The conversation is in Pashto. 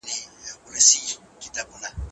زده کوونکي باید خپله ژبه وساتي.